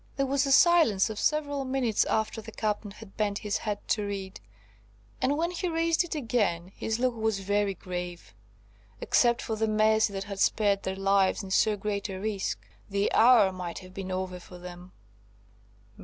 There was a silence of several minutes, after the Captain had bent his head to read; and when he raised it again, his look was very grave. Except for the mercy that had spared their lives in so great a risk, the hour might have been over for them.